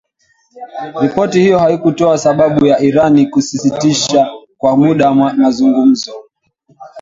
Ripoti hiyo haikutoa sababu ya Iran kusitisha kwa muda mazungumzo